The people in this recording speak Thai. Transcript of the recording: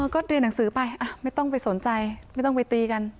ก็เรียนหนังสือไปไม่ต้องไปสนใจไม่ต้องไปตีกัน